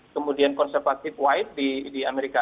kemudian konservatif white di amerika